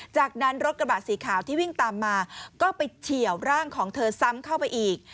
จากนั้นรถกระบะสีขาวที่วิ่งตามมาก็ไปเฉียวร่างของเธอซ้ำเข้าไปอีก